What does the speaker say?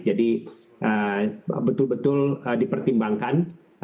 jadi betul betul dipertimbangkan